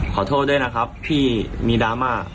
ขอโทษด้วยนะครับที่มีดราม่า